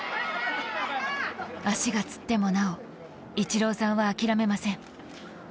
足がつってもなお、イチローさんは諦めません。